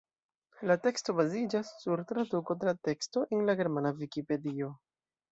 La teksto baziĝas sur traduko de la teksto en la germana vikipedio.